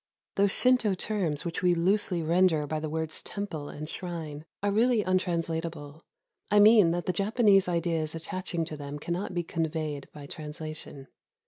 Those Shinto terms which we loosely render by the words "temple" and ''shrine" are really untrans latable ;— I mean that the Japanese ideas attaching to them cannot be conveyed by translation.